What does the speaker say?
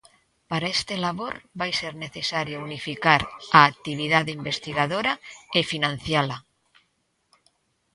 Para este labor vai ser necesario unificar a actividade investigadora e financiala.